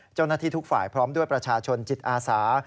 เจ้าหน้าที่ทุกฝ่ายพร้อมด้วยประชาชนจิตอาสา